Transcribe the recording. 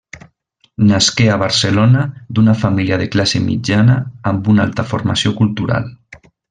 Nasqué a Barcelona d'una família de classe mitjana amb una alta formació cultural.